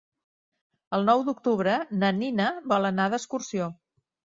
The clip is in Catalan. El nou d'octubre na Nina vol anar d'excursió.